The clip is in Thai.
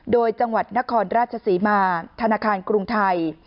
โดยจังหวัดนครราชศรีมาธนาคารกรุงไทย